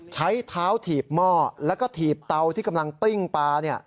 ใช้เท้าถีบหม้อแล้วก็ถีบเตาที่กำลังปลิ้งปลา